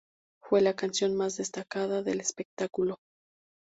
Fue la canción más destacada del espectáculo.